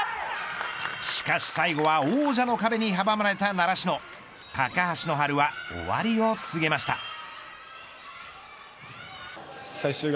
しかし最後は王者の壁に阻まれた習志野高橋の春は終わりを告げました。